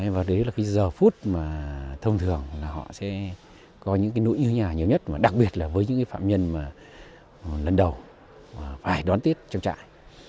và đấy là cái giờ phút mà thông thường là họ sẽ có những cái nỗi như nhà nhiều nhất đặc biệt là với những cái phạm nhân mà lần đầu phải đón tết trong trại